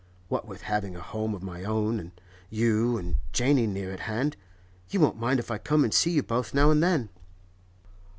What with having a home of my own, and you and Janey near at hand—You won't mind if I come and see you both now and then?